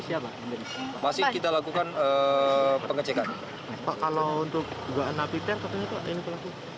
siapa masih kita lakukan pengecekan pak kalau untuk engganakitan masih terlalu jauh kalau misal kita menyampaikan dengan kondisi yang berikutnya